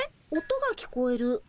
音が聞こえる。